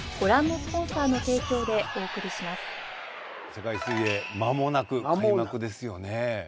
世界水泳まもなく開幕ですよね。